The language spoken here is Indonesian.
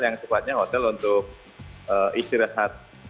yang sifatnya hotel untuk istirahat